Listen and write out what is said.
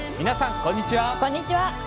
皆さん、こんにちは。